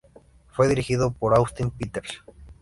Fue dirigido por Austin Peters.